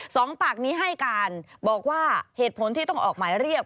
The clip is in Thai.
สองปากนี้ให้การบอกว่าเหตุผลที่ต้องออกหมายเรียก